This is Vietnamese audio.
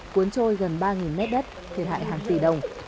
cuốn trôi gần ba mét đất thiệt hại hàng tỷ đồng